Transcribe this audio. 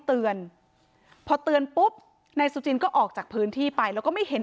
เตือนพอเตือนปุ๊บนายสุจินก็ออกจากพื้นที่ไปแล้วก็ไม่เห็น